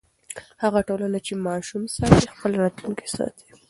هغه ټولنه چې ماشوم ساتي، خپل راتلونکی ساتي.